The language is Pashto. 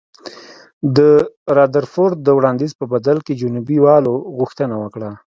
د رادرفورډ د وړاندیز په بدل کې جنوبي والو غوښتنه وکړه.